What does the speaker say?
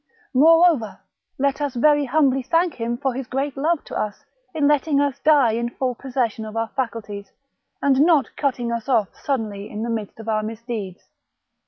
Moreover, let us very humbly thank Him for his great love to us in letting us die in full possession of our faculties, and not cutting us oflf suddenly in the midst of our misdeeds.